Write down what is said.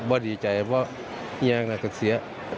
บ่ดีใจเพราะว่าอย่างไรจะเสีย